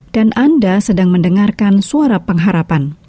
dan anda sedang mendengarkan suara pengharapan